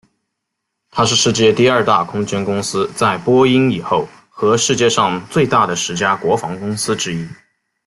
它是世界第二大空间公司在波音以后和世界上最大的十家国防公司之一。